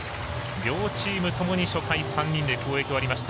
両チームともに初回３人で攻撃が終わりました。